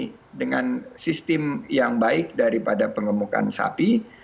dan kita benahi dengan sistem yang baik daripada pengemukan sapi